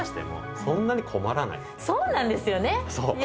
そうなんですよね。